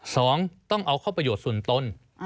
สองต้องเอาเข้าประโยชน์ส่วนตน